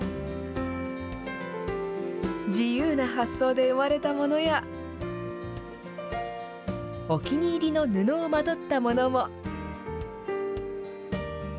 自由な発想で生まれたものや、お気に入りの布をまとったものも。